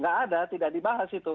tidak ada tidak dibahas itu